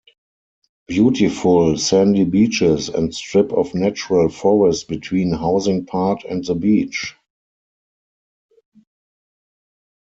Beautiful sandy beaches and strip of natural forest between housing part and the beach.